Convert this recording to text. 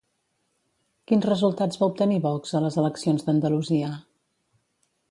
Quins resultats va obtenir Vox a les eleccions d'Andalusia?